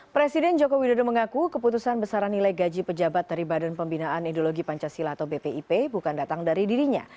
presiden joko widodo mengaku keputusan besaran nilai gaji pejabat dari badan pembinaan ideologi pancasila atau bpip bukan datang dari dirinya